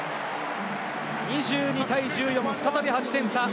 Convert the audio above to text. ２２対１４、再び８点差。